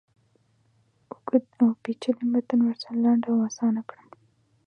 اوږد اوپیچلی متن ورسره لنډ او آسانه کړم.